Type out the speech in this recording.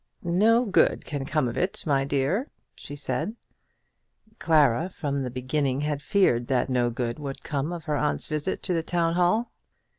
"No good can come of it, my dear," she said. Clara from the beginning had feared that no good would come of her aunt's visit to the Town hall.